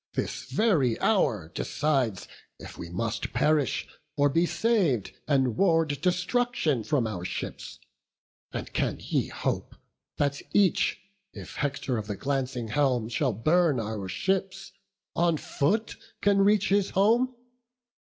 this very hour decides If we must perish, or be sav'd, and ward Destruction from our ships; and can ye hope That each, if Hector of the glancing helm Shall burn our ships, on foot can reach his home?